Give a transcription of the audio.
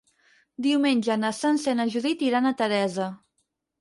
Diumenge na Sança i na Judit iran a Teresa.